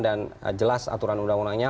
dan jelas aturan undang undangnya